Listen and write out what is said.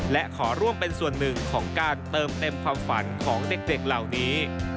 และขอร่วมเป็นส่วนหนึ่งของการเติมเต็มความฝันของเด็กเหล่านี้